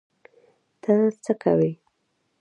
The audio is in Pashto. ته څه کوی؟